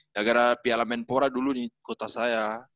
ya gara piala main poro dulu nih kota saya